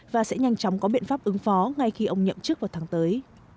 và sẽ nhanh chóng có biện pháp ứng phó ngay khi ông nhậm chức vào tháng tới